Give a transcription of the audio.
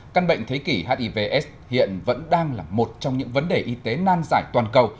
căn bệnh thế kỷ hivs hiện vẫn đang là một trong những vấn đề y tế nan giải toàn cầu